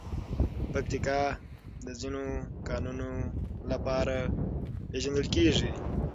پکتیکا د ځینو کانونو لپاره پېژندل کېږي.